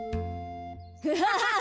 ウハハハ。